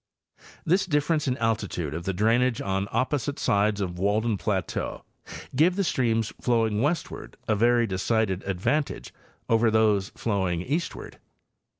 This difference in altitude of ine drainage on opposite sides of Walden plateau gave the streams flowing westward a very decided advantage over those flowing eastward.